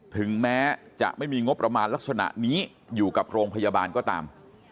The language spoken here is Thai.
ถึงแม้จะไม่มีงบประมาณลักษณะนี้อยู่กับโรงพยาบาลก็ตาม